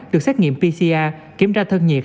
được xét nghiệm pcr kiểm tra thân nhiệt